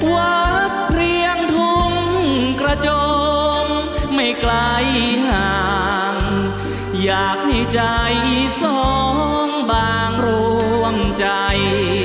เพลียงทุ่งกระจมไม่ไกลห่างอยากให้ใจสองบางรวมใจ